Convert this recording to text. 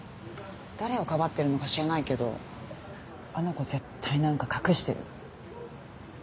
誰をかばってるのか知らないけどあの子絶対なんか隠してる。